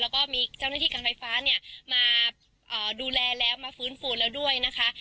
แล้วก็มีเจ้าหน้าที่การไฟฟ้าเนี่ยมาดูแลแล้วมาฟื้นฟูแล้วด้วยนะคะ